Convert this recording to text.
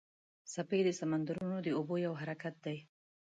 څپې د سمندرونو د اوبو یو حرکت دی.